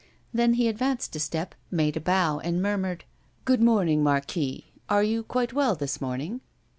Then he advanced a step, made a bow, and murmured: "Good morning, Marquis are you quite well this morning?"